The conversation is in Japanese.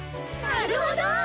なるほど！